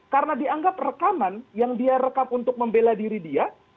karena dianggap rekaman yang dia rekam untuk membela diri dia